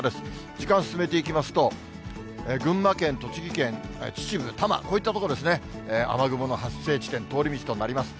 時間進めていきますと、群馬県、栃木県、秩父、多摩、こういった所ですね、雨雲の発生地点、通り道となります。